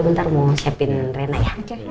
bentar mau siapin rena ya